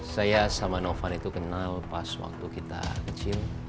saya sama novar itu kenal pas waktu kita kecil